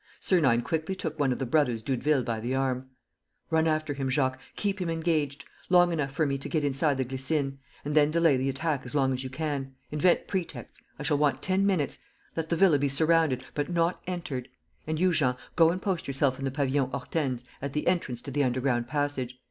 Sernine quickly took one of the brothers Doudeville by the arm: "Run after him, Jacques ... keep him engaged ... long enough for me to get inside the Glycines. ... And then delay the attack as long as you can. ... Invent pretexts. ... I shall want ten minutes. ... Let the villa be surrounded ... but not entered. And you, Jean, go and post yourself in the Pavillon Hortense, at the entrance to the underground passage.